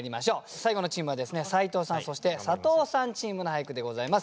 最後のチームは斎藤さんそして佐藤さんチームの俳句でございます。